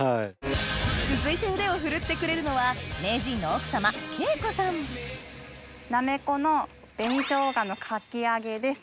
続いて腕を振るってくれるのはなめこの紅しょうがのかき揚げです。